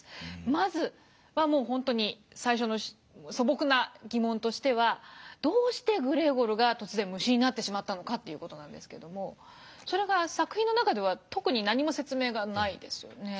まずはもう本当に最初の素朴な疑問としてはどうしてグレーゴルが突然虫になってしまったのかという事ですけどもそれが作品の中では特に何も説明がないですよね。